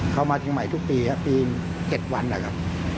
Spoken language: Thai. มาเชียงใหม่ทุกปีครับปี๗วันนะครับ